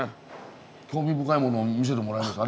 興味深いものを見せてもらいました。